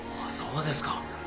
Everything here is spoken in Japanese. そうですか。